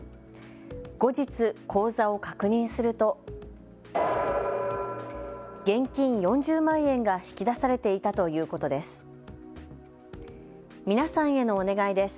後日、口座を確認すると現金４０万円が引き出されていたということです。